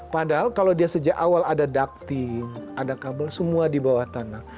padahal kalau dia sejak awal ada ducting ada kabel semua di bawah tanah